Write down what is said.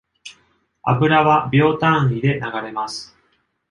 油は秒単位で流れます。